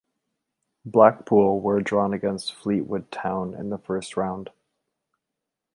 Blackpool were drawn against Fleetwood Town in the first round.